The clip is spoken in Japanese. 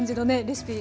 レシピ